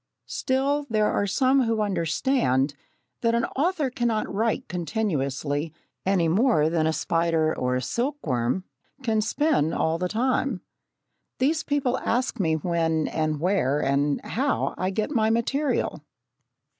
Still, there are some who understand that an author cannot write continuously any more than a spider or a silkworm can spin all the time. These people ask me when, and where, and how, I get my material.